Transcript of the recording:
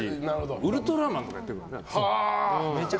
「ウルトラマン」とかやってるもんね。